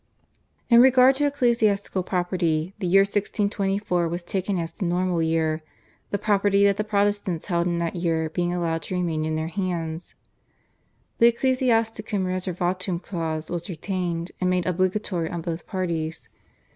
In regard to ecclesiastical property the year 1624 was taken as the normal year, the property that the Protestants held in that year being allowed to remain in their hands. The /Ecclesiasticum Reservatum/ clause was retained, and made obligatory on both parties.